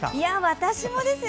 私もですよ。